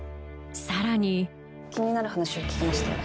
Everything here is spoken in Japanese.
さらに気になる話を聞きまして。